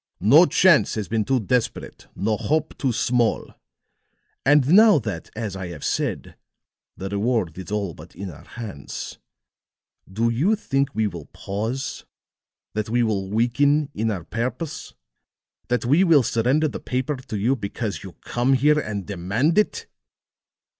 No chance has been too desperate, no hope too small. And now that, as I have said, the reward is all but in our hands, do you think we will pause that we will weaken in our purpose that we will surrender the paper to you because you come here and demand it?"